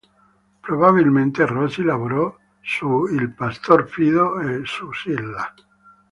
Probabilmente, Rossi lavorò su "Il pastor fido" e su "Silla".